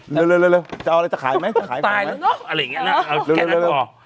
เร็วเร็วเร็วจะเอาอะไรจะขายไหมจะขายของไหมตายแล้วเนอะอะไรอย่างเงี้ยน่ะเอาแค่นั้นกว่า